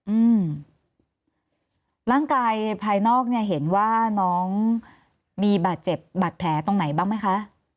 อืมร่างกายภายนอกเนี่ยเห็นว่าน้องมีบาดเจ็บบาดแผลตรงไหนบ้างไหมคะ